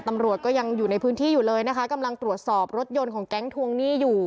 ตำรวจก็ยังอยู่ในพื้นที่อยู่เลยนะคะกำลังตรวจสอบรถยนต์ของแก๊งทวงหนี้อยู่